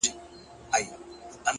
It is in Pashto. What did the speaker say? پرمختګ د ثابت حرکت نوم دی.